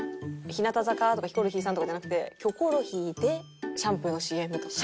日向坂とかヒコロヒーさんとかじゃなくてキョコロヒーでシャンプーのＣＭとか。